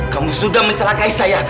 kamu sudah mencelakai saya